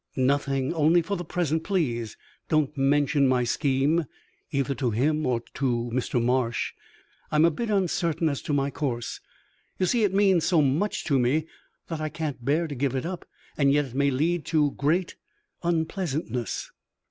"Nothing; only for the present please don't mention my scheme either to him or to Mr. Marsh. I am a bit uncertain as to my course. You see, it means so much to me that I can't bear to give it up, and yet it may lead to great unpleasantness."